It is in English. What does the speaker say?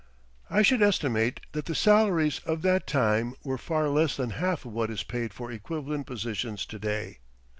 I should estimate that the salaries of that time were far less than half of what is paid for equivalent positions to day.